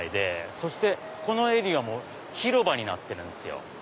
そしてこのエリアも広場になってるんですよ。